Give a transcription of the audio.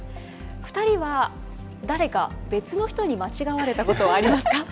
２人は誰か別の人に間違われたこと、ありますか。